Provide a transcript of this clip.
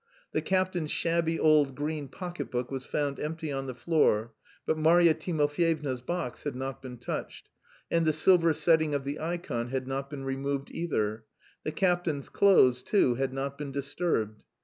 The captain's shabby old green pocket book was found empty on the floor, but Marya Timofeyevna's box had not been touched, and the silver setting of the ikon had not been removed either; the captain's clothes, too, had not been disturbed.